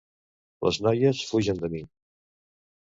Les noies fugen de mi.